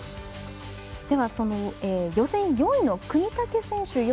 では、予選４位の國武選手。